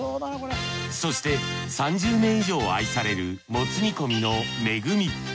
そして３０年以上愛されるモツ煮込みの惠。